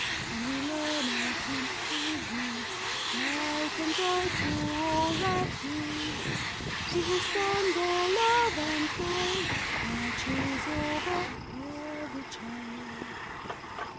And we learn of Him who gives Light and joy to all that lives: He whose tender love and mild Watches over every child.